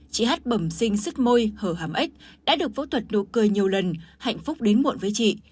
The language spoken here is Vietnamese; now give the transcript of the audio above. chị h bầm sinh sức môi hở hám ếch đã được phẫu thuật nụ cười nhiều lần hạnh phúc đến muộn với chị